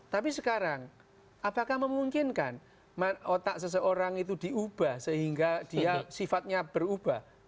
tapi sekarang apakah memungkinkan otak seseorang itu diubah sehingga dia sifatnya berubah